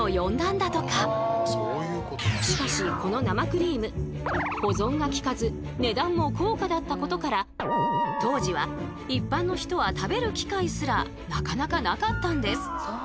しかしこの生クリーム保存がきかず値段も高価だったことから当時は一般の人は食べる機会すらなかなかなかったんです。